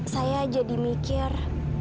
saya jadi mikir